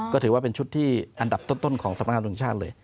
ก็ถือว่าเป็นชุดที่อันดับต้นของสำนักงานตรงชาติเลย